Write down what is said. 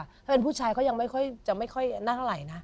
ถ้าเป็นผู้ชายก็ยังไม่ค่อยจะไม่ค่อยนั่งเท่าไหร่นะ